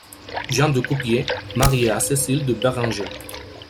Jean de Copier, marié à Cécile de Bérenger.